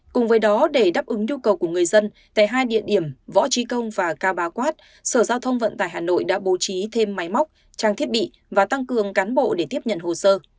cùng với đó để đáp ứng nhu cầu của người dân tại hai địa điểm võ trí công và cao bá quát sở giao thông vận tải hà nội đã bố trí thêm máy móc trang thiết bị và tăng cường cán bộ để tiếp nhận hồ sơ